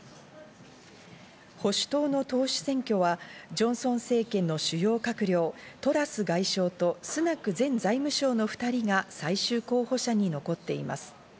保守党の党首選挙はジョンソン政権の主要閣僚・トラス外相とスナク前財務相の２人が最終候補者に残っています。